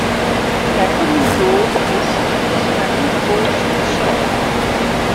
La commune d'Audes est située sur la rive gauche du Cher.